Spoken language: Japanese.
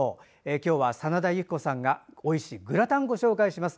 今日は真田由喜子さんがおいしいグラタンをご紹介します。